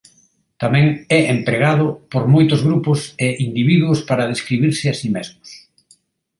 Tamén é empregado por moitos grupos e individuos para describirse a si mesmos.